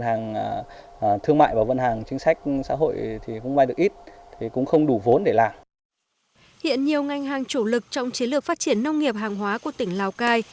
hiện nhiều ngành hàng chủ lực trong chiến lược phát triển nông nghiệp hàng hóa của tỉnh lào cai